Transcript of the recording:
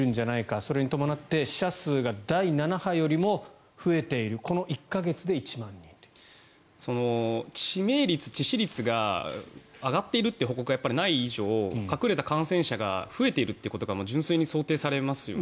それに伴って死者数が第７波よりも増えている致命率、致死率が上がっているという報告がない以上隠れた感染者が増えているということが純粋に想定されますよね。